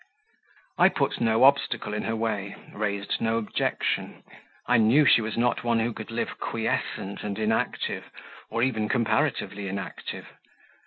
I put no obstacle in her way; raised no objection; I knew she was not one who could live quiescent and inactive, or even comparatively inactive.